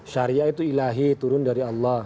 syariah itu ilahi turun dari allah